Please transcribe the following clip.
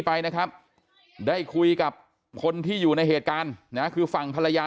ไปนะครับได้คุยกับคนที่อยู่ในเหตุการณ์นะคือฝั่งภรรยา